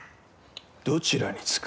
どちらにつく？